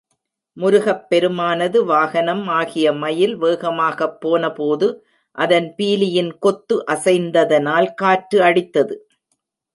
முருகப் பெருமானது வாகனம் ஆகிய மயில் வேகமாகப் போன போது அதன் பீலியின் கொத்து அசைந்ததனால் காற்று அடித்தது.